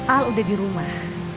al sudah di rumah